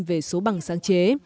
về số bằng sáng chế